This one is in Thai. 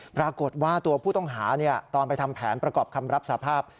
ปรากฏว่าตัวผู้ต้องหาตอนไปทำแผนประกอบคำรับสภาพ